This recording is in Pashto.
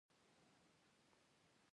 مثبت فکر د ژوند خوښي زیاتوي.